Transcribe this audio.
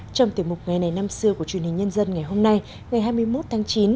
trong tiềm mục ngày này năm xưa của truyền hình nhân dân ngày hôm nay ngày hai mươi một tháng chín